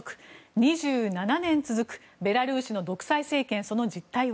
２７年続くベラルーシの独裁政権その実態は？